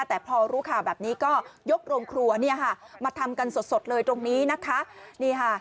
แต่พอรู้ค่ะแบบนี้ก็ยกโรงครัวมาทำกันสดเลยตรงนี้นะคะ